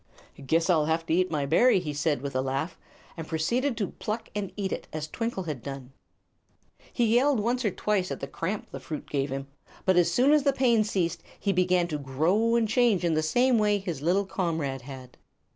"Guess I'll have to eat my berry," he said, with a laugh, and proceeded to pluck and eat it, as Twinkle had done. He yelled once or twice at the cramp the fruit gave him, but as soon as the pain ceased he began to grow and change in the same way his little comrade had.